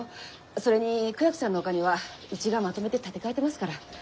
それに倉木さんのお金はうちがまとめて立て替えてますから。